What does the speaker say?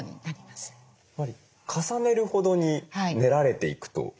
やっぱり重ねるほどに練られていくと？